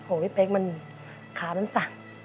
โหพี่เป๊กมันขามันสั่ง